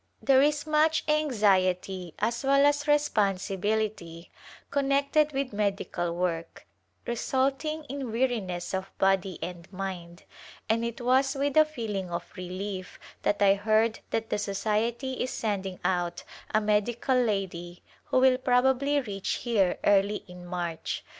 There is much anxiety as well as responsibility connected with medical work resulting in weariness of body and mind, and it was with a feeling of relief that I heard that the Society is sending out a medical lady who will probably reach here early in March.